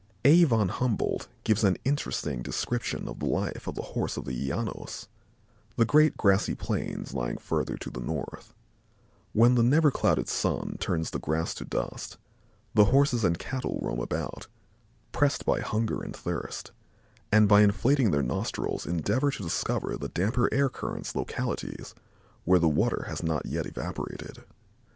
A. von Humboldt gives an interesting description of the life of the Horse in the Llanos, the great grassy plains lying further to the north. When the never clouded sun turns the grass to dust, the Horses and cattle roam about, pressed by hunger and thirst, and by inflating their nostrils endeavor to discover by the damper air currents localities where the water has not yet evaporated.